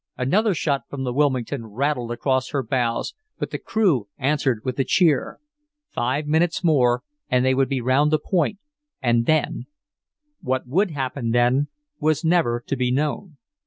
Another shot from the Wilmington rattled across her bows, but the crew answered with a cheer. Five minutes more and they would be round the point and then What would happen then was never to be known.